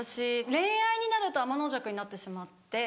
恋愛になるとあまのじゃくになってしまって。